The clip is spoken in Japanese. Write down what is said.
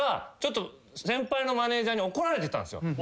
先輩のマネージャーに怒られてたんすよ。